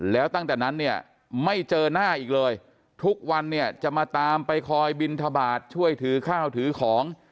แล้วตั้งแต่นั้นเนี่ยไม่เจอหน้าอีกเลยทุกวันเนี่ยจะมาตามไปคอยบินทบาทช่วยถือข้าวถือของ